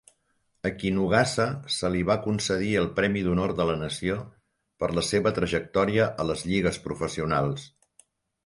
A Kinugasa se li va concedir el Premi d'Honor de la Nació per la seva trajectòria a les lligues professionals.